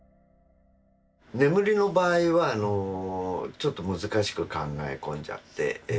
眠りの場合はちょっと難しく考え込んじゃって。